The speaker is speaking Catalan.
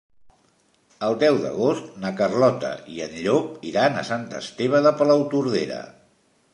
El deu d'agost na Carlota i en Llop iran a Sant Esteve de Palautordera.